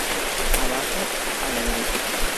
Abajo a la derecha.